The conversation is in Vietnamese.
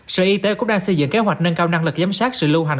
sở y tế cũng đang xây dựng kế hoạch nâng cao năng lực giám sát sự lưu hành